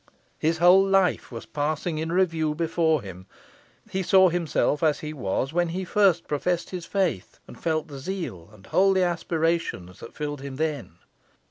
His whole life was passing in review before him. He saw himself as he was when he first professed his faith, and felt the zeal and holy aspirations that filled him then.